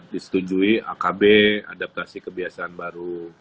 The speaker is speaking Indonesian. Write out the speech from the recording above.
disetujui akb adaptasi kebiasaan baru